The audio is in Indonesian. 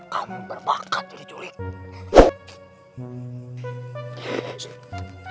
kamu berbakat jadi culik